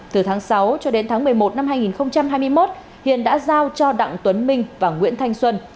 từ tháng sáu cho đến tháng một mươi một năm hai nghìn hai mươi một hiền đã giao cho đặng tuấn minh và nguyễn thanh xuân